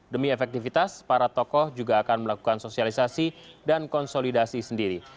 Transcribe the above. demi efektivitas para tokoh juga akan melakukan sosialisasi dan konsolidasi sendiri